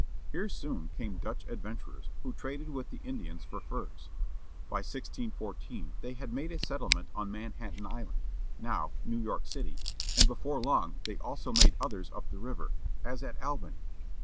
Here soon came Dutch adven turers, who traded with the Indians for furs. By 1614 they had made a settlement on Manhattan Island â now New York City â and before long they also made others up the river, as at Albany.